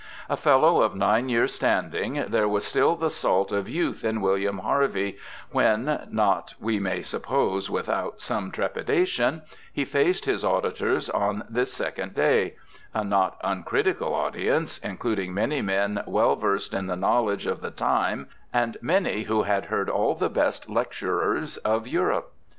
A Fellow of nine years' standing, there was still the salt of 3'outh in William Harvey when, not we may suppose without some trepidation, he faced his auditors on this second daj^ — a not uncritical audience, including many men well versed in the knowledge of the time and many who had heard all the best lecturers of Europe.